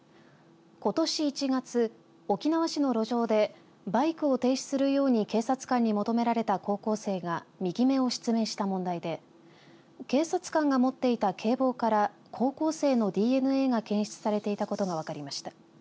ことし１月、沖縄市の路上でバイクを停止するように警察官に求められた高校生が右目を失明した問題で警察官が持っていた警棒から高校生のＤＮＡが検出されていたことが分かりました。